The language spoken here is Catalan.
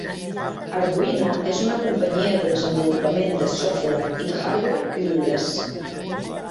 Arduino és una companyia de desenvolupament de software i hardware lliures.